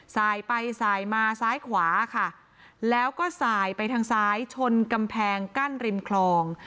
สายไปสายมาซ้ายขวาค่ะแล้วก็สายไปทางซ้ายชนกำแพงกั้นริมคลอง